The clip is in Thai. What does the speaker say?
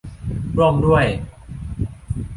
ร่วมด้วย